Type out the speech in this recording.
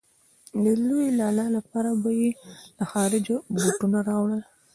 د لوی لالا لپاره به يې له خارجه بوټونه راوړل.